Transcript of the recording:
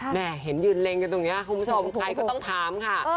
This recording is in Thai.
แม่เห็นยืนเล็งกันตรงนี้คุณผู้ชมใครก็ต้องถามค่ะ